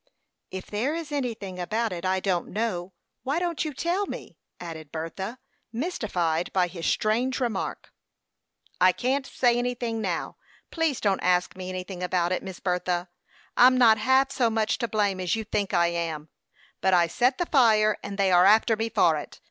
"If there is anything about it I don't know, why don't you tell me?" added Bertha, mystified by his strange remark. "I can't say anything now. Please don't ask me anything about it, Miss Bertha. I'm not half so much to blame as you think I am; but I set the fire, and they are after me for it.